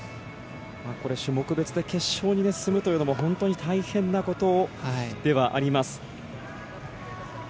種目別で決勝に進むというのも本当に大変なことではあります。